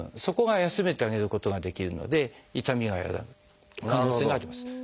そこが休めてあげることができるので痛みが和らぐ可能性があります。